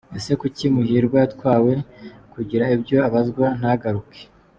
Ese kuki Muhirwa yatwawe kugira ibyo abazwa ntagaruke?